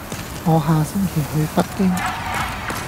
我下星期去北京